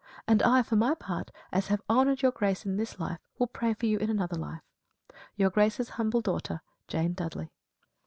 And I, for my part, as I have honoured Your Grace in this life, will pray for you in another life. Your Grace's humble daughter, JANE DUDLEY.